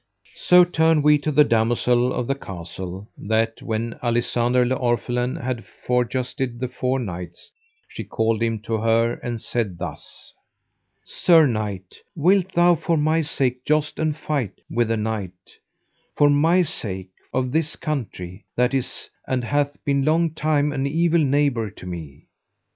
So turn we to the damosel of the castle, that when Alisander le Orphelin had forjousted the four knights, she called him to her, and said thus: Sir knight, wilt thou for my sake joust and fight with a knight, for my sake, of this country, that is and hath been long time an evil neighbour to me?